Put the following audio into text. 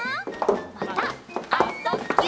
また「あ・そ・ぎゅ」